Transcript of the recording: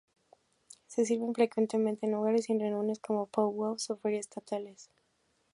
Se sirve frecuentemente en hogares y en reuniones como "pow-wows" o ferias estatales.